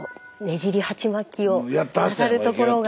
じり鉢巻きをなさるところが。